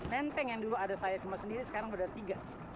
menteng yang dulu ada saya cuma sendiri sekarang berada tiga